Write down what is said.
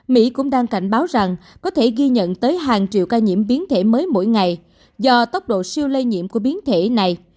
mỹ cũng đang cảnh báo rằng có thể ghi nhận tới hàng triệu ca nhiễm biến thể mới mỗi ngày do tốc độ siêu lây nhiễm của biến thể này